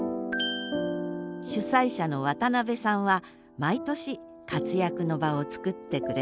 主催者の渡辺さんは毎年活躍の場を作ってくれた大恩人。